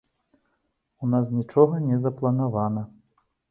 У нас нічога не запланавана.